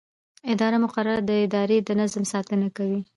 اداري مقررات د ادارې د نظم ساتنه کوي.